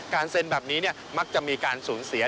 เซ็นแบบนี้มักจะมีการสูญเสีย